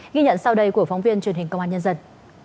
ghi nhận sau đây của phóng viên truyền hình công an nhân dân